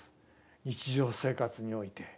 日常生活において。